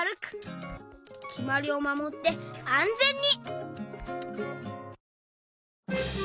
きまりをまもってあんぜんに！